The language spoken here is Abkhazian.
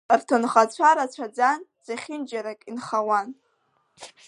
Рҭынхацәа рацәаӡан, зехьынџьарак инхауан.